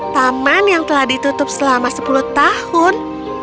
taman yang telah ditutup selama sepuluh tahun